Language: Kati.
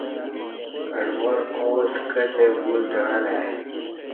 اڈوار آو سکہ تہ گل دعݩلہ ائی